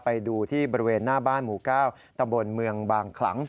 ไปดูที่บริเวณหน้าบ้านหมู่๙ตะบนเมืองบางขลัง